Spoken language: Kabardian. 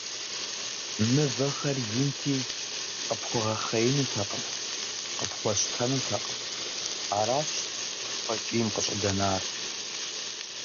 Мывэхэр инти, къыпхуэгъэхъеинутэкъым, къыпхуэщтэнутэкъым, аращ къуэкӀийм къыщӀыдэнар.